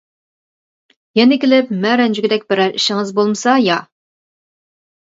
يەنە كېلىپ مەن رەنجىگۈدەك بىرەر ئىشىڭىز بولمىسا يا.